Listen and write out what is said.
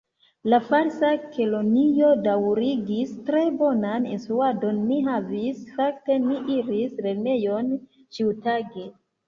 La Falsa Kelonio daŭrigis: "Tre bonan instruadon ni havis; fakte, ni iris lernejon ĉiutage"